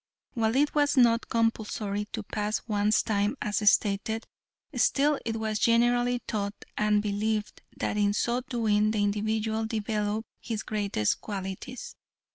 While it was not compulsory to pass one's time as stated, still it was generally taught and believed that in so doing the individual developed his greatest qualities.